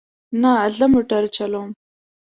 نه، زه موټر چلوم